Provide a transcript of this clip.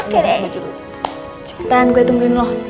cepetan gua tungguin lo